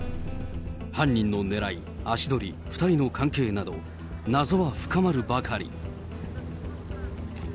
犯人のねらい、足取り、２人の関係など謎は深まるばかり。